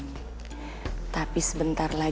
ya udah bisa kan jalan